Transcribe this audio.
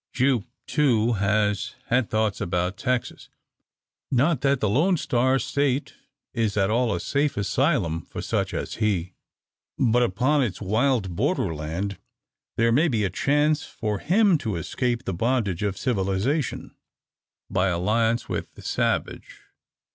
Jupe, too, has had thoughts about Texas. Not that the Lone Star State is at all a safe asylum for such as he; but upon its wild borderland there may be a chance for him to escape the bondage of civilisation, by alliance with the savage!